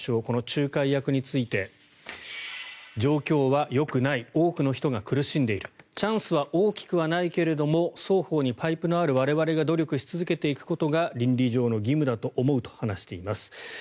この仲介役について状況はよくない多くの人が苦しんでいるチャンスは大きくはないけれども双方にパイプのある我々が努力し続けていくことが倫理上の義務だと思うと話しています。